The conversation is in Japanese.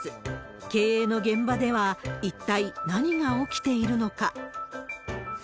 経営の現場では、一体何が起きているのか。